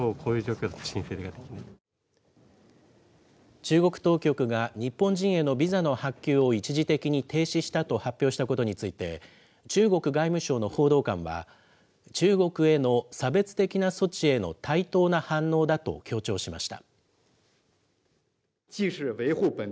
中国当局が日本人へのビザの発給を一時的に停止したと発表したことについて、中国外務省の報道官は、中国への差別的な措置への対等な反応だと強調しました。